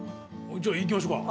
じゃあいきましょうか。